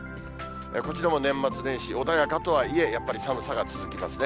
こちらも年末年始、穏やかとはいえ、やっぱり寒さが続きますね。